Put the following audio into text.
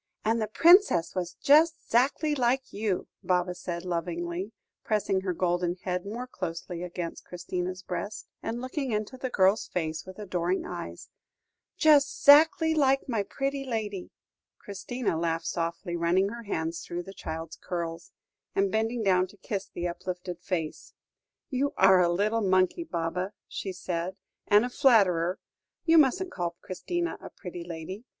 "And the Princess was just 'zactly like you," Baba said lovingly, pressing her golden head more closely against Christina's breast, and looking into the girl's face with adoring eyes, "just 'zactly like my pretty lady." Christina laughed softly, running her hands through the child's curls, and bending down to kiss the uplifted face. "You are a little monkey, Baba," she said, "and a flatterer. You mustn't call Christina a pretty lady.